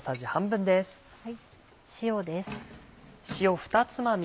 塩です。